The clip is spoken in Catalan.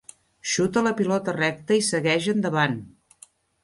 Xuta la pilota recta i segueix endavant.